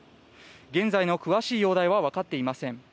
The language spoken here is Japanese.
現在の詳しい容体はわかっていません。